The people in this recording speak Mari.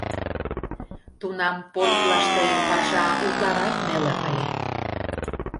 Тунам полклаште паша утларак неле ыле.